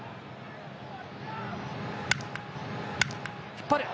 引っ張る。